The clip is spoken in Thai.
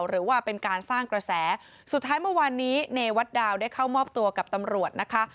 หรือว่าเป็นการสร้างกระแสสุดท้ายเมื่อวานนี้เนวัดดาวได้เข้ามอบตัวกับตำรวจนะคะ